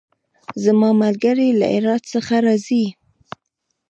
زما ملګری له هرات څخه راځی